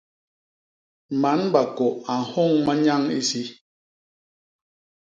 Man bakô a nhôñ manyañ isi.